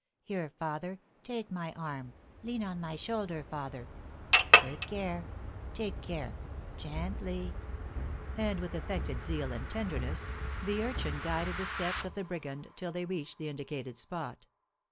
Here, father, take my arm; lean on my shoulder, father; take care, take care, gently;" and, with affected zeal and tenderness, the urchin guided the steps of the brigand till they reached the indicated spot.